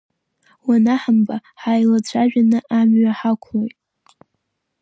Уанаҳамба ҳааилацәажәаны амҩа ҳақәлоит.